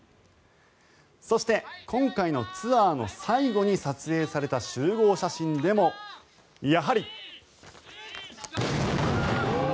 そして、今回のツアーの最後に撮影された集合写真でも、やはり。